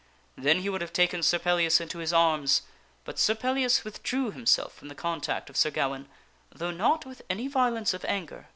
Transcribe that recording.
Then he would have taken Sir Pellias into his arms, Pelhas but Sir Pellias withdrew himself from the contact of Sir Gawaine, though not with any violence of anger.